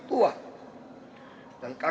dan kakak angkat saya saya tidak menghargai agama